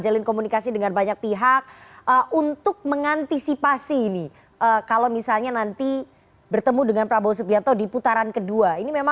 tapi ada energi juga rifana